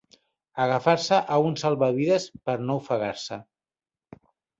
Agafar-se a un salvavides per no ofegar-se.